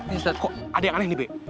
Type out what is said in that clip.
ustadz kok ada yang aneh nih be